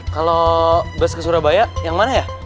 kalau bus ke surabaya yang mana ya